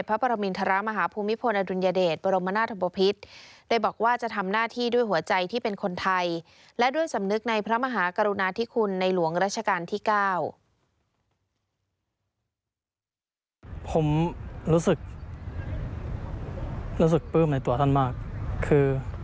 ผมรู้สึกรู้สึกปลืมในตัวท่านมากคือ